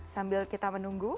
sambil kita menunggu